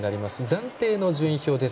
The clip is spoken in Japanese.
暫定の順位表です。